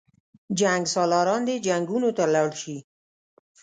جنګسالاران دې جنګونو ته لاړ شي.